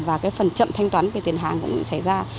và cái phần chậm thanh toán về tiền hàng cũng xảy ra